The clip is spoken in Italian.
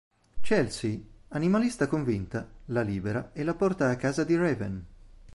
Chelsea, animalista convinta, la libera e la porta a casa di Raven.